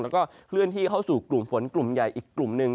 แล้วก็เคลื่อนที่เข้าสู่กลุ่มฝนกลุ่มใหญ่อีกกลุ่มหนึ่ง